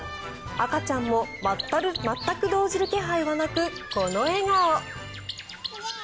赤ちゃんも全く動じる気配はなくこの笑顔。